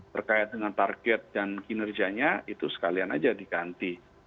terkait dengan target dan kinerjanya itu sekalian aja diganti